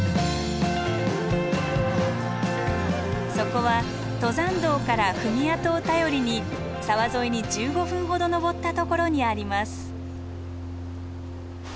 そこは登山道から踏み跡を頼りに沢沿いに１５分ほど登ったところにあります。